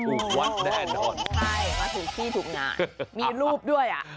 ใช่มาถึงที่ถึงงานมีรูปด้วย